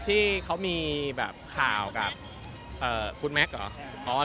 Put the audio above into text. ที่เขามีแบบข่าวกับคุณแม็กซ์เหรอ